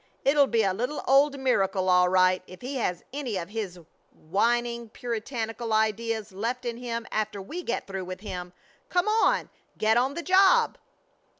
It'll be a little old miracle, all right, if he has any of his whining Puritanical ideas left in him after we get through with him. Come on! Get on the job!"